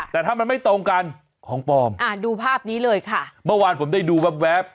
แต่ถ้ามันไม่ตรงกันของปลอมอ่าดูภาพนี้เลยค่ะเมื่อวานผมได้ดูแวบ